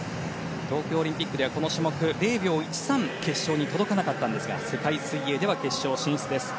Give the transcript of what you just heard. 東京オリンピックではこの種目０秒１３届かなかったんですが世界水泳では決勝進出です。